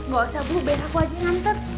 gak usah ibu biar aku aja yang nanti